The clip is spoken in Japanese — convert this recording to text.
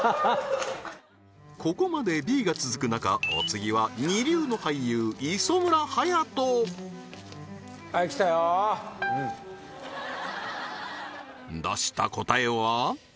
ここまでＢが続く中お次は二流の俳優磯村勇斗はい来たよ出した答えは？